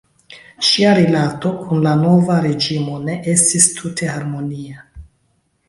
Ŝia rilato kun la nova reĝimo ne estis tute harmonia.